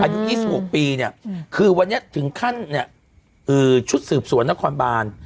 อายุ๒๖ปีเนี่ยคือวันนี้ถึงขั้นเนี่ยชุดสืบสวนนครบาน